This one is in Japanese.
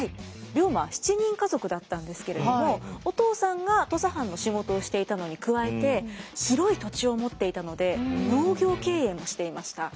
龍馬は７人家族だったんですけれどもお父さんが土佐藩の仕事をしていたのに加えて広い土地を持っていたので農業経営もしていました。